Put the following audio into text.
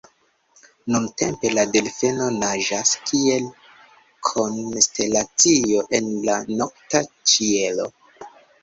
Nuntempe la Delfeno naĝas kiel konstelacio en la nokta ĉielo.